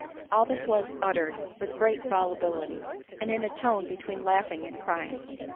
All this was uttered with great volubility, and in a tone between laughing and crying.